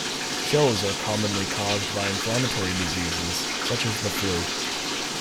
Chills are commonly caused by inflammatory diseases, such as the flu.